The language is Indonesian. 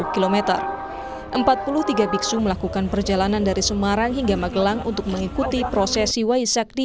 km empat puluh tiga biksu melakukan perjalanan dari semarang hingga magelang untuk mengikuti prosesi waisakti